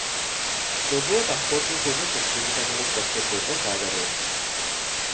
তবুও তাৎপর্যপূর্ণ প্রতিযোগিতামূলক তত্ত্বের জন্য জায়গা রয়েছে।